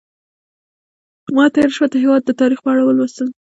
ما تېره شپه د هېواد د تاریخ په اړه ولوستل.